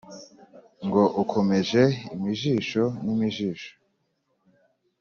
ngo ukomeje imijisho nimijisho